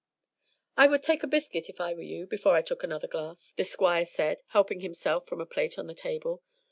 "I would take a biscuit, if I were you, before I took another glass," the Squire said, helping himself from a plate on the table.